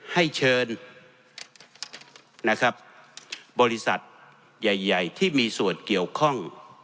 ให้เชิญนะครับบริษัทใหญ่ที่มีส่วนเกี่ยวข้อง